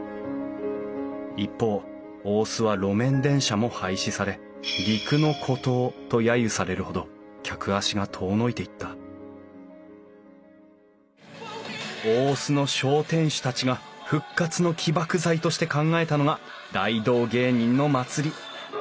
一方大須は路面電車も廃止され陸の孤島とやゆされるほど客足が遠のいていった大須の商店主たちが復活の起爆剤として考えたのが大道芸人の祭り。